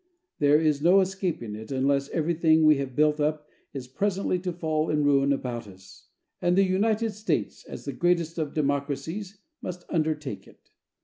There is no escaping it, unless everything we have built up is presently to fall in ruin about us; and the United States, as the greatest of democracies, must undertake it.